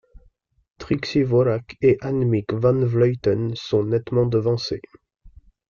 Trixi Worrack et Annemiek van Vleuten sont nettement devancées.